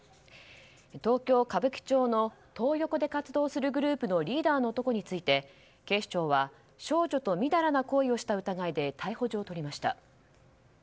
東京・歌舞伎町のトー横で活動するグループのリーダーの男について警視庁は少女とみだらな行為をした疑いで逮捕状を取りました。